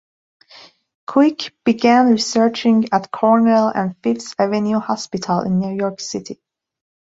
Quick began researching at Cornell and Fifth Avenue Hospital in New York City.